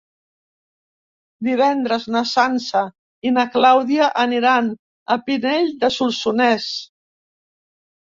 Divendres na Sança i na Clàudia aniran a Pinell de Solsonès.